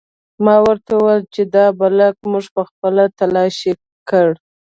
ما ورته وویل چې دا بلاک موږ پخپله تلاشي کړ